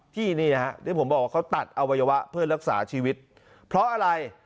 ที่นี่ฮะที่ผมบอกว่าเขาตัดอวัยวะเพื่อรักษาชีวิตเพราะอะไร